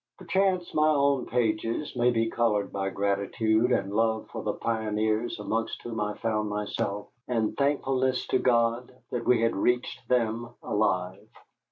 Perchance my own pages may be colored by gratitude and love for the pioneers amongst whom I found myself, and thankfulness to God that we had reached them alive.